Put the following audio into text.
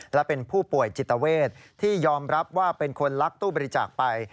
และเป็นผู้ป่วยจิตเวทที่ยอมรับว่าเป็นคนลักตู้บริจาคไป